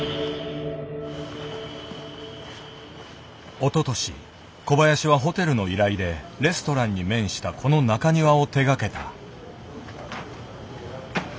おととし小林はホテルの依頼でレストランに面したこの中庭を手がけた。